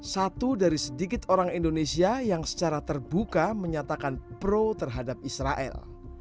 satu dari sedikit orang indonesia yang secara terbuka menyatakan pro terhadap israel